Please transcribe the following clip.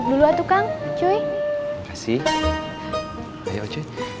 kau pak menurut gek elves